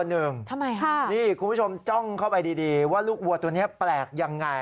นี่คุณผู้ชมจ้องเข้าไปดีว่าลูกวัวตัวนี้แปลกยังไง